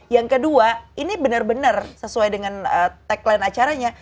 yang kedua ini bener bener sesuai dengan tagline acaranya